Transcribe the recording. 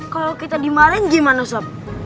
kalau kita dimarin gimana sop